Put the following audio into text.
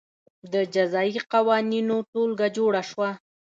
د جزايي قوانینو ټولګه جوړه شوه.